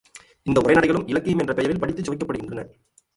இந்த உரைநடைகளும் இலக்கியம் என்னும் பெயரில் படித்துச் சுவைக்கப்படுகின்றன.